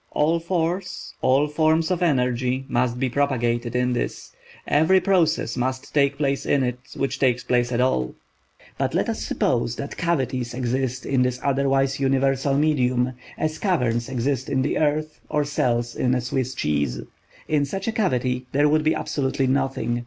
All force, all forms of energy must be propagated in this; every process must take place in it which takes place at all. But let us suppose that cavities exist in this otherwise universal medium, as caverns exist in the earth, or cells in a Swiss cheese. In such a cavity there would be absolutely nothing.